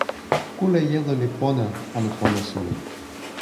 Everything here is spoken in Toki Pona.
kule jelo li pona anu pona suli.